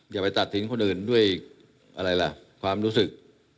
อย่าไปตัดสินคนอื่นด้วยความรู้สึก